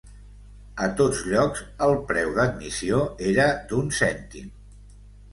A tots llocs, el preu d'admissió era d'un cèntim.